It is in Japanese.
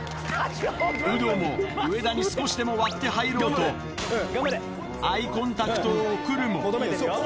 有働も上田に少しでも割って入ろうと、アイコンタクトを送るも。